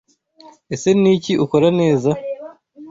Ese Niki ukora, neza?